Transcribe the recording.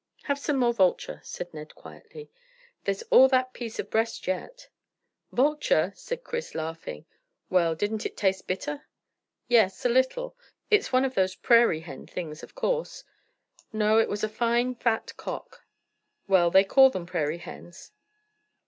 "Have some more vulture," said Ned quietly. "There's all that piece of breast yet." "Vulture!" said Chris, laughing. "Well, didn't it taste bitter?" "Yes, a little. It's one of those prairie hen things, of course." "No, it was a fine fat cock." "Well, they call them prairie hens.